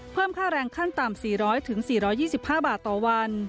เพิ่มค่าแรงขั้นต่ำ๔๐๐๔๒๕บาทต่อวัน